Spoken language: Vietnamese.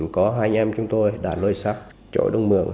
có hai anh em của chúng tôi đã lôi sắp chỗ đông mường